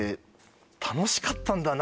「楽しかったんだな」